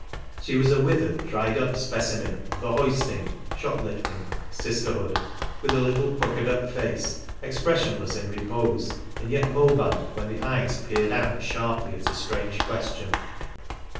She was a withered, dried up speci men of the "hoisting" (shoplifting) sisterhood, with a little puckered up face, expressionless in repose and yet mobile when the eyes peered out sharply at a strans e question.